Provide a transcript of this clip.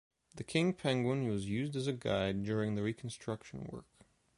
The king penguin was used as a guide during the reconstruction work.